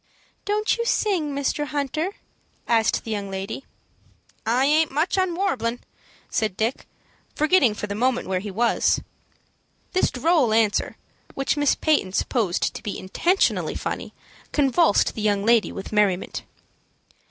"Don't you sing, Mr. Hunter?" asked the young lady. "I aint much on warblin'," said Dick, forgetting for the moment where he was. This droll answer, which Miss Peyton supposed to be intentionally funny, convulsed the young lady with merriment.